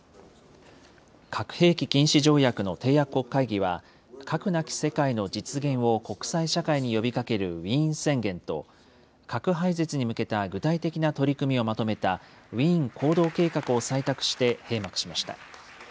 核兵器禁止条約の締約国会議は、核なき世界の実現を国際社会に呼びかけるウィーン宣言と、核廃絶に向けた具体的な取り組みをまとめた、ウィーン行動計画を採択して閉幕しました。